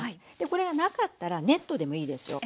これがなかったらネットでもいいですよ。